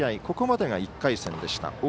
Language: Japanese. ここまでが１回戦でした。